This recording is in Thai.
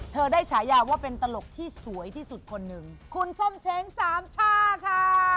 ได้ฉายาว่าเป็นตลกที่สวยที่สุดคนหนึ่งคุณส้มเช้งสามช่าค่ะ